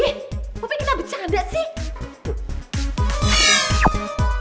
ih popi kita bercanda sih